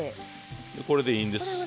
これでいいんです。